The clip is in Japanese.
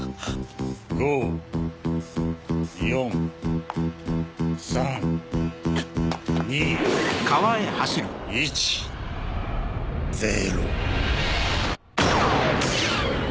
５・４３・２１０。